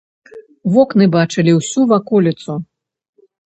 Вокны бачылі ўсю ваколіцу.